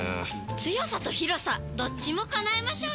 強さと広さどっちも叶えましょうよ！